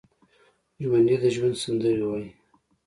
ژوندي د ژوند سندرې وايي